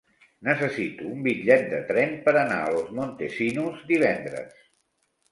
Necessito un bitllet de tren per anar a Los Montesinos divendres.